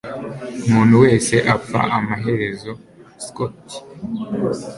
Umuntu wese apfa amaherezo (Scott)